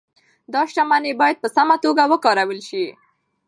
دا شتمني باید په سمه توګه وکارول شي.